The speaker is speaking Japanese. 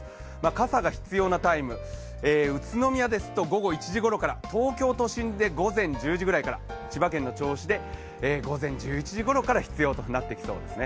傘が必要なタイム、宇都宮ですと午後１時ごろから東京都心で午前１０時ぐらいから、千葉県の銚子で午前１１時ぐらいから必要となってきそうですね。